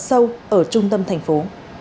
khu vực ngập sâu ở trung tâm thành phố